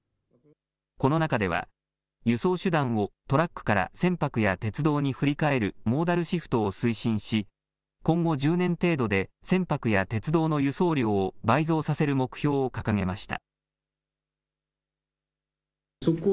この中では輸送手段をトラックから船舶や鉄道に振り替えるモーダルシフトを推進し今後１０年程度で船舶や鉄道の輸送量を倍増させる目標を掲げました。